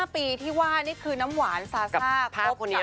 ๕ปีที่ว่านี่คือน้ำหวานซาซ่าพบ